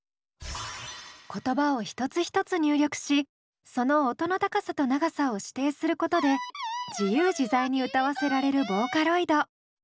言葉を一つ一つ入力しその音の高さと長さを指定することで自由自在に歌わせられるボーカロイド。